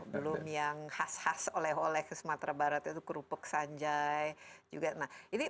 belum yang khas khas oleh oleh sumatera barat itu kerupuk sanjai